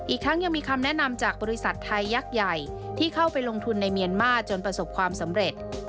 อีกทั้งยังมีคำแนะนำจากบริษัทไทยยักษ์ใหญ่ที่เข้าไปลงทุนในเมียนมาร์จนประสบความสำเร็จ